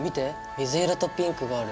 水色とピンクがある。